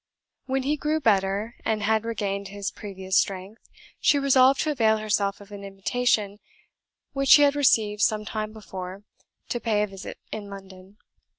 When he grew better, and had regained his previous strength, she resolved to avail herself of an invitation which she had received some time before, to pay a visit in London.